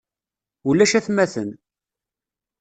Ulac atmaten.